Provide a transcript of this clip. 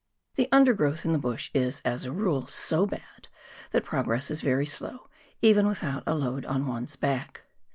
The undergrowth in the bush is as a rule so bad, that pro gress is very slow, even without a load on one's back.